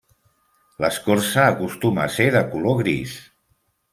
L'escorça acostuma a ser de color gris.